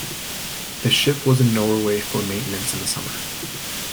The ship was in Norway for maintenance in the summer.